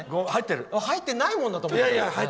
入ってないものだと思った。